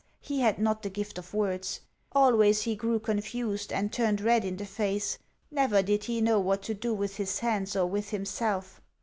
He had not the gift of words. Always he grew confused, and turned red in the face; never did he know what to do with his hands or with himself.